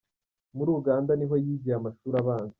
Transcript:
Muri Uganda niho yigiye amashuri abanza.